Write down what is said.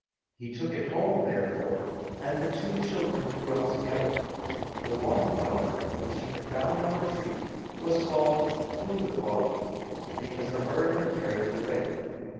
He took it home, therefore, and the two children grew up together. The one, however, which he had found on a tree was called Fundevogel, because a bird had carried it away.